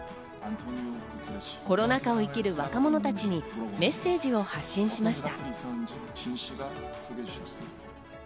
コロナ禍を生きる若者たちにメッセージを発信しました。